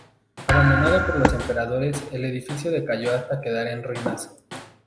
Abandonado por los emperadores, el edificio decayó hasta quedar en ruinas.